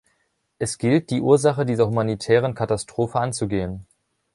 Es gilt, die Ursachen dieser humanitären Katastrophe anzugehen.